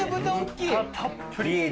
豚たっぷり。